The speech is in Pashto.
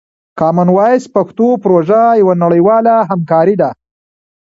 کامن وایس پښتو پروژه یوه نړیواله همکاري ده.